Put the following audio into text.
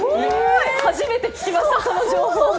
初めて聞きました、その情報